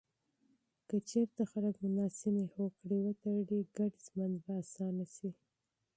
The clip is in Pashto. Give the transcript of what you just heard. که چیرته خلک مناسبې هوکړې وتړي، ګډ ژوند به اسانه سي.